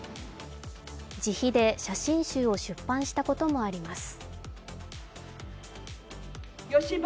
自費で写真集を出版したこともあります。